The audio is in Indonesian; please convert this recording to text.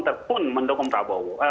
terpun mendukung prabowo